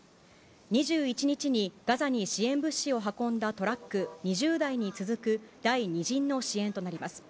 ２１日にガザに支援物資を運んだトラック２０台に続く第２陣の支援となります。